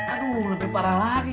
aduh lebih parah lagi